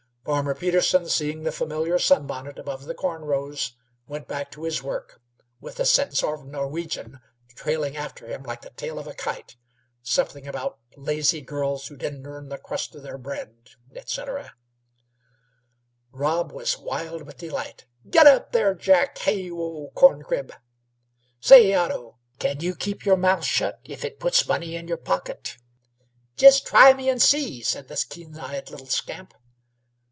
Farmer Peterson, seeing the familiar sun bonnet above the corn rows, went back to his work, with a sentence of Norwegian trailing after him like the tail of a kite something about lazy girls who didn't earn the crust of their bread, etc. Rob was wild with delight. "Git up there, Jack! Hay, you old corncrib! Say, Otto, can you keep your mouth shet if it puts money in your pocket?" "Jest try me 'n' see," said the keen eyed little scamp.